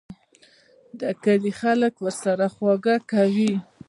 د کلي خلک ورسره خواږه کوي.